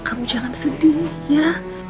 kamu jangan sedih ya